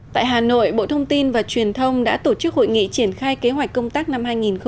tại hà nội bộ thông tin và truyền thông đã tổ chức hội nghị triển khai kế hoạch công tác năm hai nghìn hai mươi